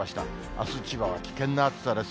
あす千葉は危険な暑さです。